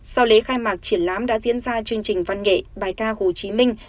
sau lễ khai mạc triển lãm đã diễn ra chương trình văn nghệ bài ca hồ chí minh